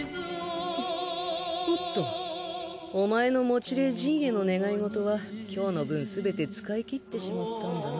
おっとお前の持霊ジンへの願いごとは今日の分すべて使い切ってしまったんだな。